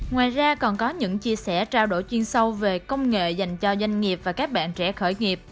ngoài ra còn có những chia sẻ trao đổi chuyên sâu về công nghệ dành cho doanh nghiệp và các bạn trẻ khởi nghiệp